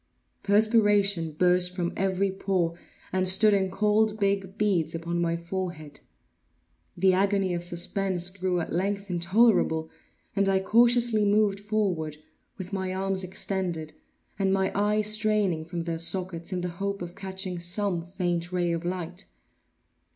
Perspiration burst from every pore, and stood in cold big beads upon my forehead. The agony of suspense grew at length intolerable, and I cautiously moved forward, with my arms extended, and my eyes straining from their sockets, in the hope of catching some faint ray of light.